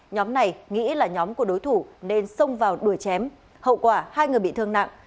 nhóm này nghĩ là nhóm của đối thủ nên xông vào đuổi chém hậu quả hai người bị thương nặng